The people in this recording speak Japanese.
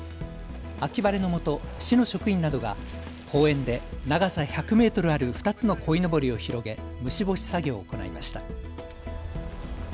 秋晴れのもと、市の職員などが公園で長さ１００メートルある２つのこいのぼりを広げ虫干し作業を行いました。